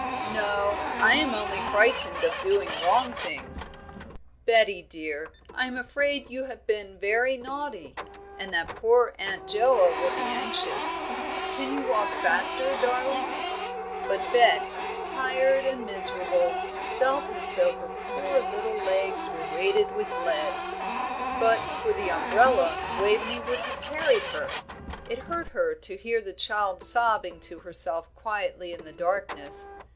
"No; I am only frightened of doing wrong things, Betty dear. I am afraid you have been very naughty, and that poor Aunt Joa will be anxious. Can you walk faster, darling?" But Bet, tired and miserable, felt as though her poor little legs were weighted with lead. But for the umbrella Waveney would have carried her; it hurt her to hear the child sobbing to herself quietly in the darkness.